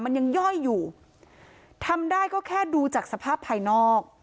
มันยังย่อยอยู่ทำได้ก็แค่ดูจากสภาพภายนอก